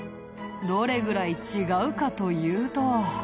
どれぐらい違うかというと。